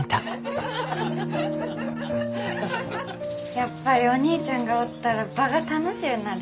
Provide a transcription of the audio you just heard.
やっぱりお兄ちゃんがおったら場が楽しゅうなる。